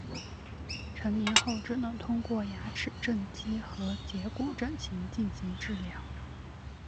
成年后只能通过牙齿正畸和截骨整形进行治疗。